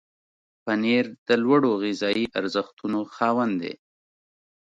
پنېر د لوړو غذایي ارزښتونو خاوند دی.